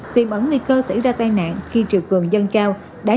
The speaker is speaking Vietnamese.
tìm ẩn nguy cơ xảy ra tai nạn khi triều cương dân cao